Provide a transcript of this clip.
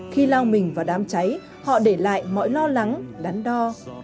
khi lao mình vào đám cháy họ để lại mọi lo lắng đắn đo